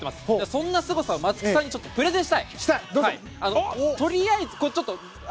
そんなすごさを松木さんにプレゼンしたい。